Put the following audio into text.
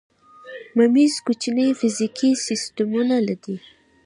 میمز کوچني فزیکي سیسټمونه دي.